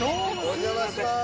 お邪魔します。